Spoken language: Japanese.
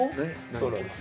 そうなんです。